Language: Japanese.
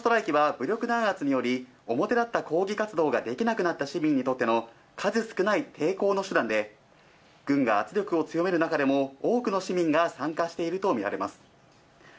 沈黙のストライキは武力弾圧により、表立った抗議活動ができなくなった市民にとっての数少ない抵抗の手段で、軍が圧力を強める中でも、多くの市民が参加していると見られます。